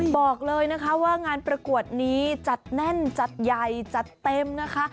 บอกเลยนะคะว่างานประกวดนี้จัดแน่นจัดใหญ่จัดเต็มนะคะ